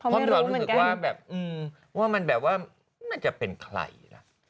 เพราะว่ามันแบบว่าน่าจะเป็นใครล่ะ